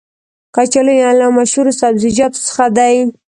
کچالو یو له مشهورو سبزیجاتو څخه دی.